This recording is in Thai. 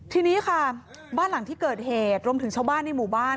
ทีนี้ค่ะบ้านหลังที่เกิดเหตุรวมถึงชาวบ้านในหมู่บ้าน